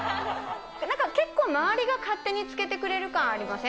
なんか結構、周りが勝手につけてくれる感ありません？